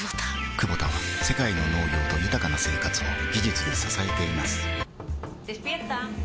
クボタは世界の農業と豊かな生活を技術で支えています起きて。